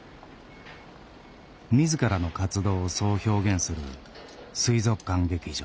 自らの活動をそう表現する水族館劇場。